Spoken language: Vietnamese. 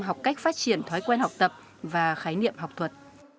học cách phát triển thói quen học tập và khái niệm học thuật